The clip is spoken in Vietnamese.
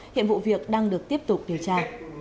hiện vụ việc đang được tiếp tục điều tra